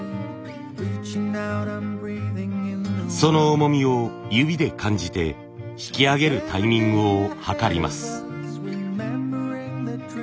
その重みを指で感じて引き上げるタイミングを計ります。